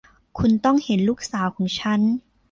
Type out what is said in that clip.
คุณต้องเห็นลูกสาวของฉัน